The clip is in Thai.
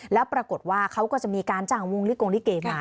แล้วปรากฏว่าเขาก็จะมีการจ้างวงลิโกงลิเกมา